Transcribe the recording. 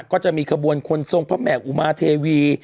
ก็จะมีขบวนคนทรงพระแม่อุมาเทวี